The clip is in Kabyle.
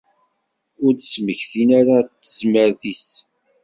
Ur d-mmektin ara d tezmert-is.